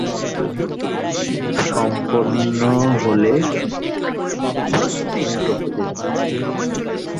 এখনি চলে আসবো।